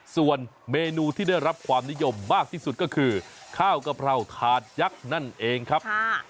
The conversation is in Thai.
ส่วนเมนูที่ได้รับความนิยมมากที่สุดก็คือข้าวกะเพราถาดยักษ์นั่นเองครับ